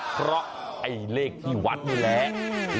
เพราะไอ้เลขที่วัดเรียงเน่